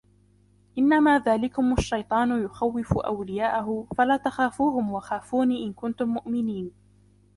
إنما ذلكم الشيطان يخوف أولياءه فلا تخافوهم وخافون إن كنتم مؤمنين